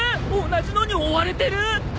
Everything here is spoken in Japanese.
同じのに追われてる！？